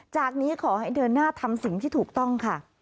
จากนี้ขอให้เดินหน้าทำสิ่งที่ถูกต้องค่ะ